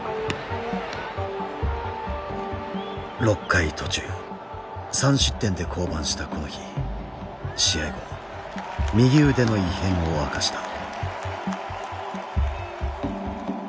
６回途中３失点で降板したこの日試合後右腕の異変を明かした。